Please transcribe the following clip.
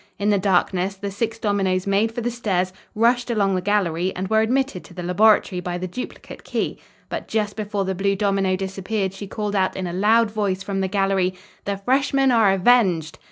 In the darkness the six dominoes made for the stairs, rushed along the gallery, and were admitted to the laboratory by the duplicate key. But, just before the blue domino disappeared, she called out in a loud voice from the gallery: "The freshmen are avenged!"